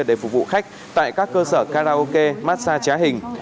để phục vụ khách tại các cơ sở karaoke massag trá hình